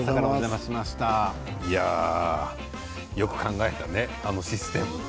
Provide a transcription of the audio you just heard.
よく考えたねあのシステム。